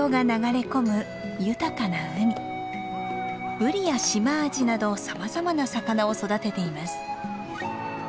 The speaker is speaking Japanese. ブリやシマアジなどさまざまな魚を育てています。